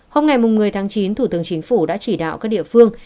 hôm ngày một mươi tháng chín thủ tướng chính phủ đã chỉ đạo các địa phương